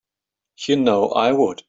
You know I would.